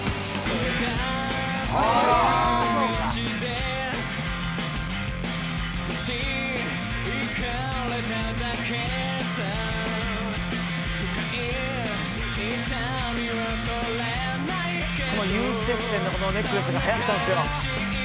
この有刺鉄線のこのネックレスがはやったんすよ。